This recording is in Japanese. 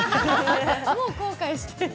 もう後悔してる。